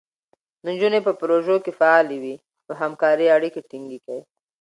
نجونې په پروژو کې فعالې وي، نو همکارۍ اړیکې ټینګېږي.